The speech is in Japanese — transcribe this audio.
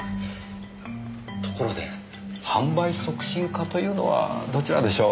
ところで販売促進課というのはどちらでしょう？